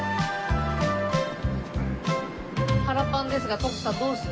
腹パンですが徳さんどうする？